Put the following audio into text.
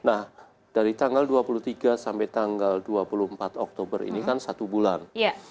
nah dari tanggal dua puluh tiga sampai tanggal dua puluh empat oktober ini kan satu bulan